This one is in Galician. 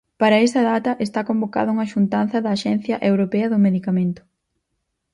Para esa data está convocada unha xuntanza da Axencia Europea do Medicamento.